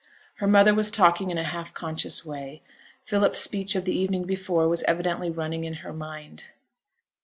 Her mother was talking in a half conscious way; Philip's speech of the evening before was evidently running in her mind.